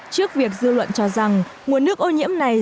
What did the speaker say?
trước việc dư luận cho rằng nguồn nước ô nhiễm này